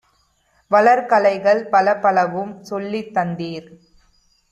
வளர்கலைகள் பலப்பலவும் சொல்லித் தந்தீர்!